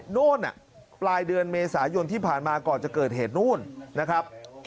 โน่นปลายเดือนเมษายนที่ผ่านมาก่อนจะเกิดเหตุนู่นนะครับ